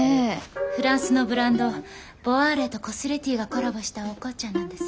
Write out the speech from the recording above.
フランスのブランドボワールとコスレティーがコラボしたお紅茶なんです。